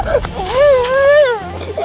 mas di dalamku